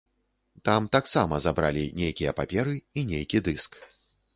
Там таксама забралі нейкія паперы і нейкі дыск.